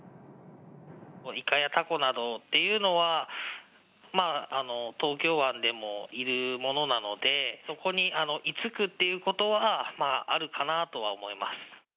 イカやタコなどっていうのは、東京湾でもいるものなので、そこに居つくっていうことは、あるかなとは思います。